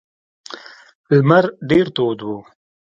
لمر ډیر تود و.